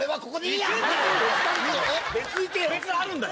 別のあるんだよ。